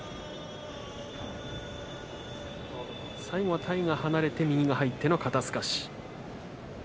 最後は体が離れて右が入っての肩すかし。